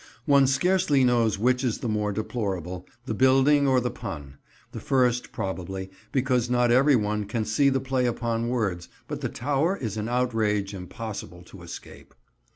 One scarcely knows which is the more deplorable, the building or the pun; the first, probably, because not every one can see the play upon words, but the tower is an outrage impossible to escape.